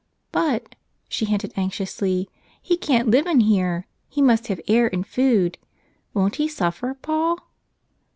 "But," she hinted anxiously, "he can't live in here; he must have air and food. Won't he suffer, Paul?"